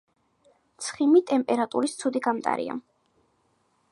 ცხიმი ტემპერატურის ცუდი გამტარია.